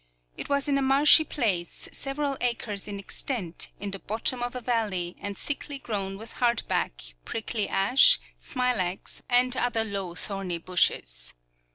It was in a marshy place, several acres in extent, in the bottom of a valley, and thickly grown with hardback, prickly ash, smilax, and other low thorny bushes.